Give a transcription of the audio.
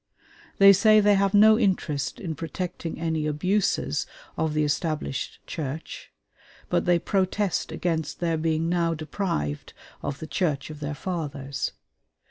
They say they have no interest in protecting any abuses of the Established Church, but they protest against their being now deprived of the Church of their fathers.